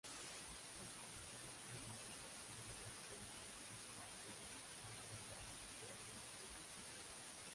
Localizada en la intersección de seis caminos, la ciudad fue amurallada pero no fortificada.